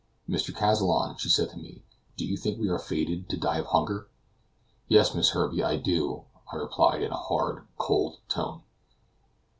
"Mr. Kazallon," she said to me, "do you think we are fated to die of hunger?" "Yes, Miss Herbey, I do," I replied, in a hard, cold tone.